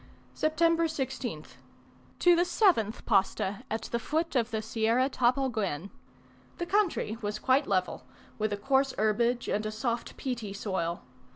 September 16th. To the seventh posta at the foot of the Sierra Tapalguen. The country was quite level, with a coarse herbage and a soft peaty soil.